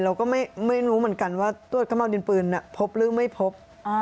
เราก็ไม่รู้เหมือนกันว่าตรวจขม่าวดินปืนพบหรือไม่พบ